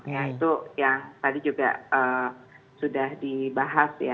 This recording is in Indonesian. ya itu yang tadi juga sudah dibahas ya